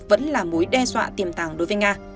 vẫn là mối đe dọa tiềm tàng đối tượng